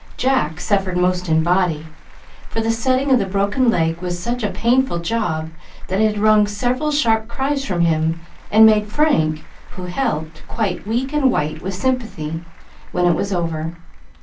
Jack suffered most in body; for the setting of the broken leg was such a painful job, that it wrung several sharp cries from him, and made Frank, who helped, quite weak and white with sympathy, when it was over.